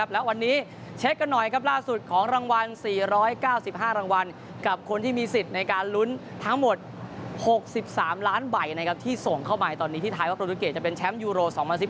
และวันนี้เช็คกันหน่อยครับล่าสุดของรางวัล๔๙๕รางวัลกับคนที่มีสิทธิ์ในการลุ้นทั้งหมด๖๓ล้านใบที่ส่งเข้าไปตอนนี้ที่ไทยว่าโปรตูเกตจะเป็นแชมป์ยูโร๒๐๑๘